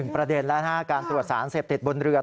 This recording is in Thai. ประเด็นแล้วการตรวจสารเสพติดบนเรือ